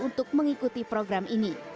untuk mengikuti program ini